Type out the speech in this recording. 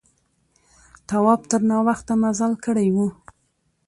تواب تر ناوخته مزل کړی و.